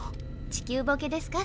地球ボケですか？